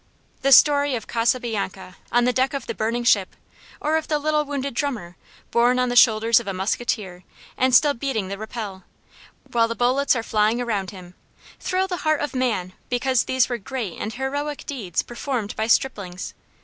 The story of Casabianca on the deck of the burning ship, or of the little wounded drummer, borne on the shoulders of a musketeer and still beating the rappel while the bullets are flying around him thrill the heart of man because these were great and heroic deeds performed by striplings.